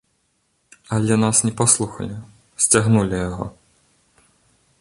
Але нас не паслухалі, сцягнулі яго.